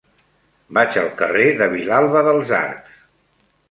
Vaig al carrer de Vilalba dels Arcs.